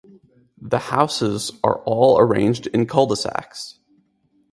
The houses are all arranged in cul-de-sacs.